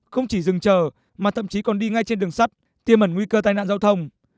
không chỉ dừng chờ mà thậm chí còn đi ngay trên đường sắt tiêm ẩn nguy cơ tai nạn giao thông